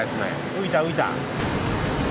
浮いた浮いた。